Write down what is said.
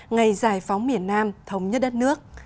ngày giải phóng miền nam thống nhất đất nước